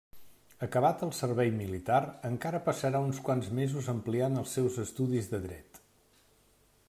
Acabat el servei militar, encara passarà uns quants mesos ampliant els seus estudis de dret.